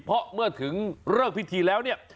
เพราะเมื่อถึงเลิกพิธีแล้วเนี่ย